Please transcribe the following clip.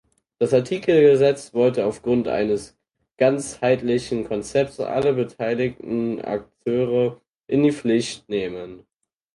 Das Artikelgesetz wollte aufgrund eines „ganzheitlichen Konzepts alle beteiligten Akteure in die Pflicht“ nehmen.